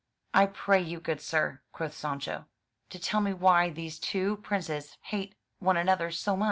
"I pray you, good sir," quoth Sancho, "to tell me why these two Princes hate one another so much?"